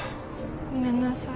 ごめんなさい